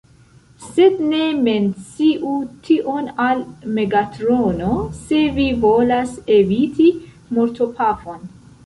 Sed ne menciu tion al Megatrono, se vi volas eviti mortopafon!